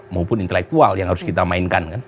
maupun intelektual yang harus kita mainkan kan